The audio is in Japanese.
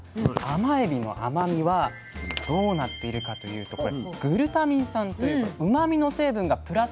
甘エビの甘みはどうなっているかというとこれグルタミン酸といううまみの成分がプラスされていることで